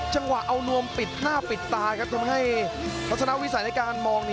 จังหวะเอานวมปิดหน้าปิดตาครับทำให้พัฒนาวิสัยในการมอง